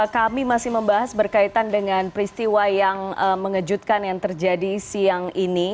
kami masih membahas berkaitan dengan peristiwa yang mengejutkan yang terjadi siang ini